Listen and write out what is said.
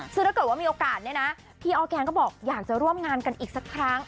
ซึ่งถ้าเกิดว่ามีโอกาสเนี่ยนะพี่ออร์แกนก็บอกอยากจะร่วมงานกันอีกสักครั้ง